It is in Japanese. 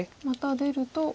また出ると。